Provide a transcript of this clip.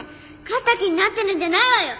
勝った気になってるんじゃないわよ！